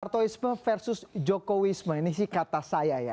ortoisme versus jokowisme ini sih kata saya ya